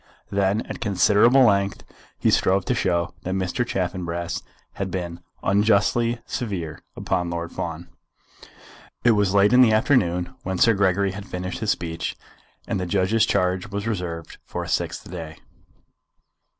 Then, at considerable length, he strove to show that Mr. Chaffanbrass had been unjustly severe upon Lord Fawn. It was late in the afternoon when Sir Gregory had finished his speech, and the judge's charge was reserved for a sixth day.